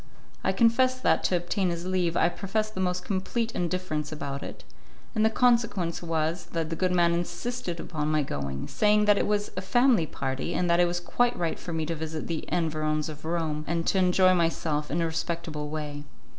I confess that, to obtain his leave, I professed the most complete indifference about it, and the consequence was that the good man insisted upon my going, saying that it was a family party, and that it was quite right for me to visit the environs of Rome and to enjoy myself in a respectable way.